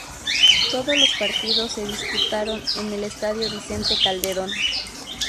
Todos los partidos se disputaron en el Estadio Vicente Calderón.